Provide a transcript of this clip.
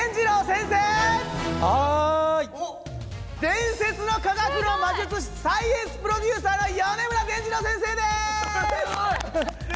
伝説の科学の魔術師サイエンスプロデューサーの米村でんじろう先生です！